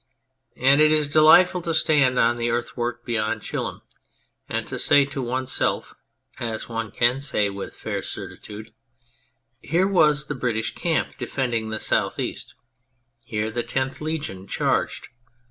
And it is delightful to stand on the earthwork beyond Chilham and to say to oneself (as one can say with a fair certitude), " Here was the British camp defending the south east ; here the tenth legion charged."